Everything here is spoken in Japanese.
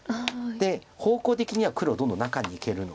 で方向的には黒どんどん中にいけるので。